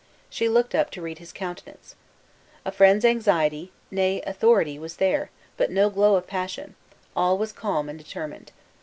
She looked up to read his countenance. A friend's anxiety, nay, authority, was there, but no glow of passion; all was calm and determined.